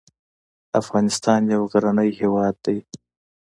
افغانستان یو غرنې هیواد ده